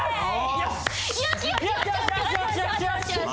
よし！